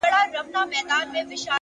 هوډ د ناممکن کلمه کمزورې کوي,